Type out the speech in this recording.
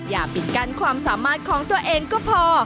อย่าปิดกั้นความสามารถของตัวเองก็พอ